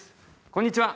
こんにちは